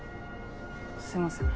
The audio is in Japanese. すいません。